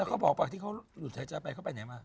เขาบอกว่าที่เขาหลุดหายใจไปเขาไปไหนมา